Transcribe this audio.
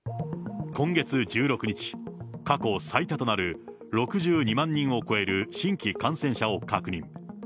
今月１６日、過去最多となる６２万人を超える新規感染者を確認。